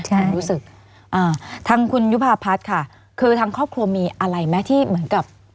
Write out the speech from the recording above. ความรู้สึกอ่าทางคุณยุภาพัฒน์ค่ะคือทางครอบครัวมีอะไรไหมที่เหมือนกับ